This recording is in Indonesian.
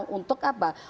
peluang untuk apa